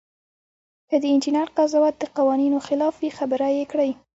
که د انجینر قضاوت د قوانینو خلاف وي خبره یې کړئ.